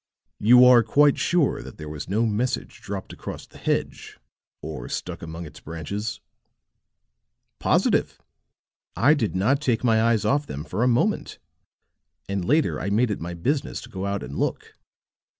"You are quite sure that there was no message dropped across the hedge, or stuck among its branches?" "Positive. I did not take my eyes off them for a moment; and later I made it my business to go out and look.